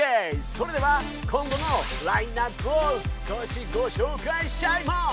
それでは今後のラインナップを少しごしょうかいしちゃいます！